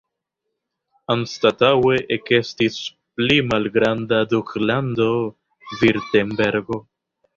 Anstataŭe ekestis pli malgranda duklando Virtembergo.